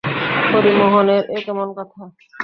হরিমোহনের এ কেমন কথা!